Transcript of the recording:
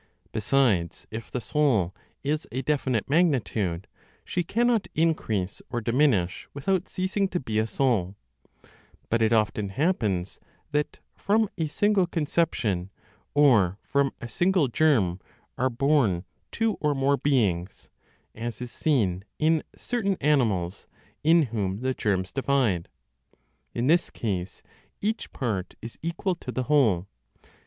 Besides, if the soul is a definite magnitude, she cannot increase or diminish without ceasing to be a soul; but it often happens that from a single conception or from a single germ are born two or more beings, as is seen in certain animals in whom the germs divide; in this case, each part is equal to the whole.